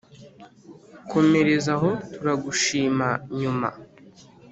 komereza aho turagushima nyuma